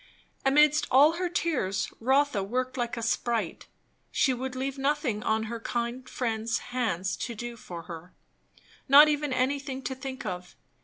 Amidst all her tears, Rotha worked like a sprite; she would leave nothing on her kind friend's hands to do for her, not even anything to think of.